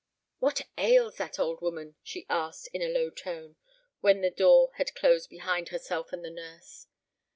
"What ails that old woman?" she asked, in a low tone, when the door had closed behind herself and the nurse.